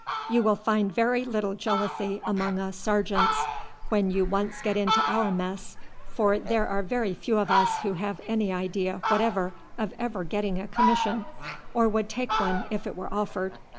"You will find very little jealousy among us sergeants when you once get into our mess, for there are very few of us who have any idea whatever of ever getting a commission, or would take one if it were offered.